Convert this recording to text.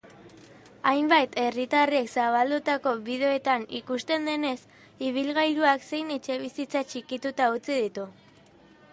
Hainbat herritarrek zabaldutako bideoetan ikusten denez, ibilgailuak zein etxebizitzak txikituta utzi ditu.